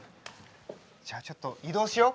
じゃあちょっと移動しよう。